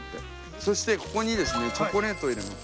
そしてここにですねチョコレートを入れます。